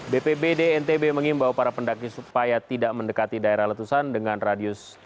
bpbd ntb mengimbau para pendaki supaya tidak mendekati daerah ratusan dengan radius tiga km